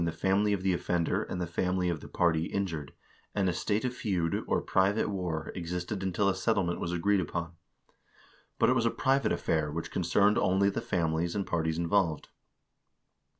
A NEW SYSTEM OF JURISPRUDENCE 461 family of the offender and the family of the party injured, and a state of feud, or private war, existed until a settlement was agreed upon. But it was a private affair which concerned only the families and parties involved.